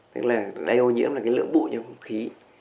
thế là đây ô nhiễm là cái lượng bụi trong không khí